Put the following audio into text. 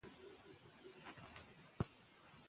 پاک چاپېريال کور فضا ښه کوي.